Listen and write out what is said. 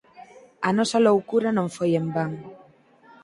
A nosa loucura non foi en van.